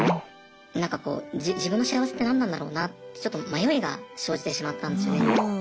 なんかこう自分の幸せって何なんだろうなってちょっと迷いが生じてしまったんですよね。